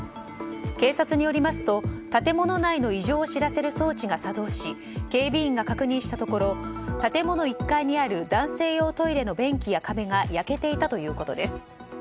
警察によりますと建物内の異常を知らせる装置が作動し警備員が確認したところ建物１階にある男性用トイレの便器や壁が焼けていたということです。